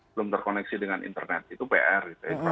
belum terkoneksi dengan internet itu pr